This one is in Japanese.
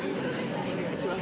お願いします。